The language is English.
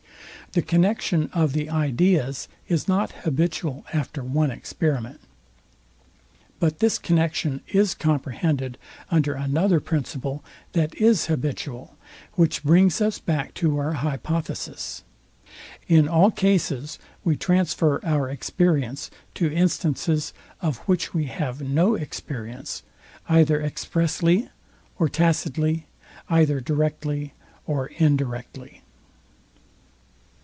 The connexion of the ideas is not habitual after one experiment: but this connexion is comprehended under another principle, that is habitual; which brings us back to our hypothesis. In all cases we transfer our experience to instances, of which we have no experience, either expressly or tacitly, either directly or indirectly.